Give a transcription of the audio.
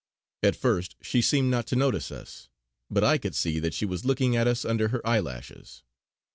At first she seemed not to notice us; but I could see that she was looking at us under her eyelashes.